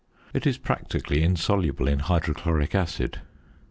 It is practically insoluble in hydrochloric acid.